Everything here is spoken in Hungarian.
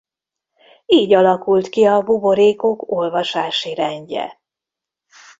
Így alakult ki a buborékok olvasási rendje.